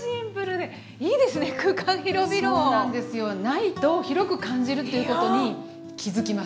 ないと広く感じるということに気付きました。